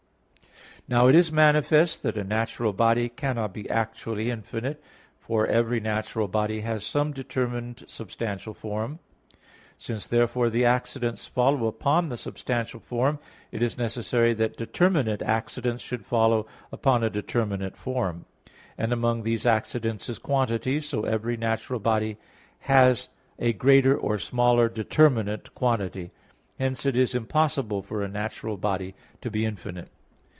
Now it is manifest that a natural body cannot be actually infinite. For every natural body has some determined substantial form. Since therefore the accidents follow upon the substantial form, it is necessary that determinate accidents should follow upon a determinate form; and among these accidents is quantity. So every natural body has a greater or smaller determinate quantity. Hence it is impossible for a natural body to be infinite.